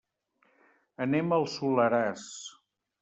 Anem al Soleràs.